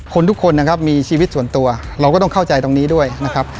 ทุกคนนะครับมีชีวิตส่วนตัวเราก็ต้องเข้าใจตรงนี้ด้วยนะครับ